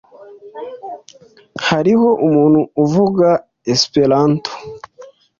Hano hari umuntu uvuga Esperanto?